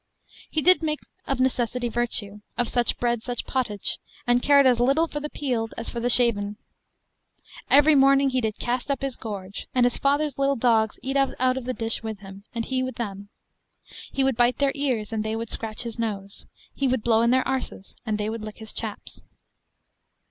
He did make of necessity virtue, of such bread such pottage, and cared as little for the peeled as for the shaven. Every morning he did cast up his gorge, and his father's little dogs eat out of the dish with him, and he with them. He would bite their ears, and they would scratch his nose he would blow in their arses, and they would lick his chaps.